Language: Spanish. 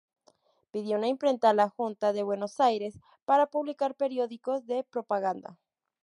Pidió una imprenta a la junta de Buenos Aires para publicar periódicos de propaganda.